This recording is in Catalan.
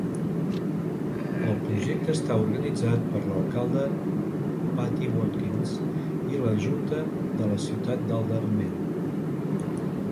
El projecte està organitzat per l'alcalde Patti Watkins i la junta de la ciutat d'Aldermen.